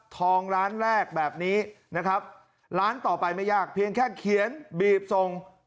ทองร้านแรกแบบนี้นะครับร้านต่อไปไม่ยากเพียงแค่เขียนบีบส่ง